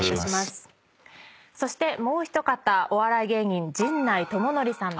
そしてもう一方お笑い芸人陣内智則さんです。